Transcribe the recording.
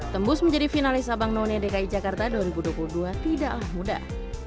tembus menjadi finalis abang none dki jakarta dua ribu dua puluh dua tidaklah mudah